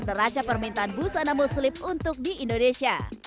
teraca permintaan busana muslim untuk di indonesia